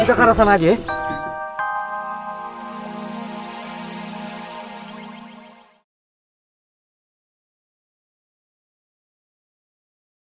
kita ke arah sana aja ya